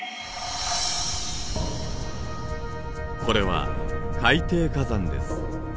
これは「海底火山」です。